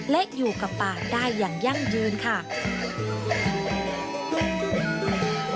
และอยู่กับปากได้อย่างยั่งยืนค่ะ